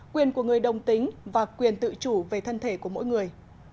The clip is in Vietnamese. quyền của người đồng tính và quyền tự chủ về thân thể của mỗi người